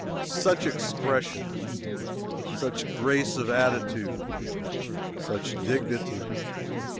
"Such expression!" "Such grace of attitude!" "Such dignity!"